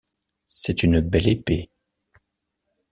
C’est une belle épée.